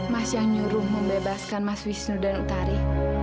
mas yang nyuruh membebaskan mas wisnu dan utari